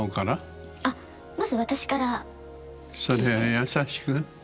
それは優しく？